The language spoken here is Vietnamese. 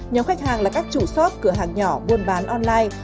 nhóm khách hàng là các chủ cửa hàng nhỏ buôn bán online